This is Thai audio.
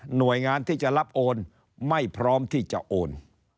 หน่วยงานที่จะรับโอนไม่พร้อมที่จะโอน